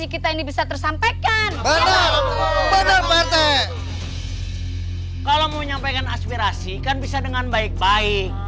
kalau mau menyampaikan aspirasi kan bisa dengan baik baik